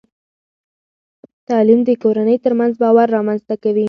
تعلیم د کورنۍ ترمنځ باور رامنځته کوي.